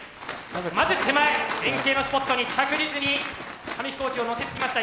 まず手前円形のスポットに着実に紙飛行機をのせてきました